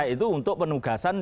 itu untuk penugasan